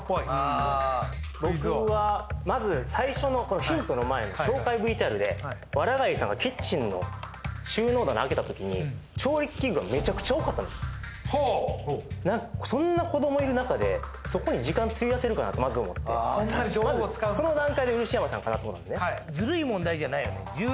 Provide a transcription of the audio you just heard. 僕はまず最初のヒントの前の紹介ＶＴＲで藁谷さんがキッチンの収納棚開けたときにほうそんな子どもいる中でそこに時間費やせるかなとまず思ってまずその段階で漆山さんかなと思ったんですね